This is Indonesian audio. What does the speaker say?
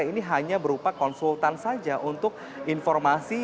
ini hanya berupa konsultan saja untuk informasi